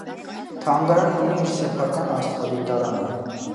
Թանգարանն ունի իր սեփական աստղադիտարանը։